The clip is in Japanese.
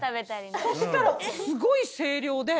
そしたらすごい声量で。